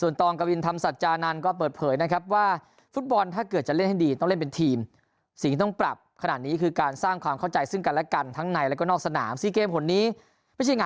นอกจากนี้มันนโกยังให้สัมภาษณ์